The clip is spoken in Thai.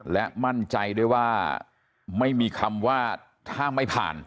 และมั่นใจด้วยว่าไม่มีคำว่าถ้าไม่ผ่าน